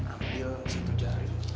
ambil satu jari